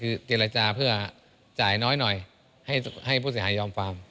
มันก็จะให้วิธีคือเจรจาเพื่อจ่ายน้อยให้ผู้เสียหายยอมฟาร์ม